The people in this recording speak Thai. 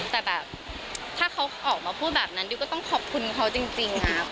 แต่แบบถ้าเขาออกมาพูดแบบนั้นดิวก็ต้องขอบคุณเขาจริงครับ